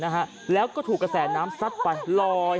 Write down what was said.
เฮ้ยเฮ้ย